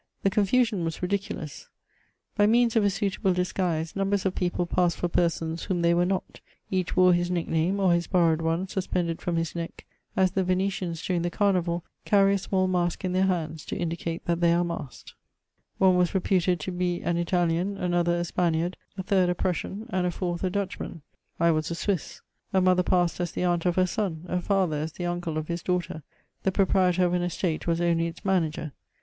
The confusion was ridiculous. By means of a suitable disguise, numbers of people passed for persons whom they were not : each wore his nick'*Qame^ or his borrowed one, suspended from his neck, as the Venetians, during the Carnival, cany a small mask in their hands, to indicate that they are masked. One CHATEAUBBIAND. 45.5 was reputed to be an Italian, another a Spaniard, a third a Prussian, and a fourth a Dutchman ; I was a Swiss. A mother passed as the aunt of her son ; a father as the uncle of his daughter; the proprietor of an estate was only its manager.